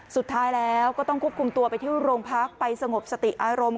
สุดท้ายแล้วก็ต้องควบคุมตัวไปที่โรงพักไปสงบสติอารมณ์